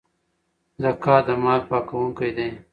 زکات د مال پاکونکی دی.